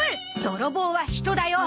泥棒は人だよ！